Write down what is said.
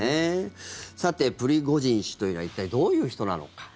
さて、プリゴジン氏というのは一体、どういう人なのか。